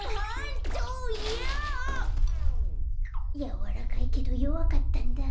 やわらかいけどよわかったんだ。